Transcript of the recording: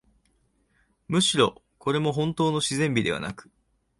むしろ、これもほんとうの自然美ではなく、